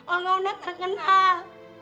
olga udah terkenal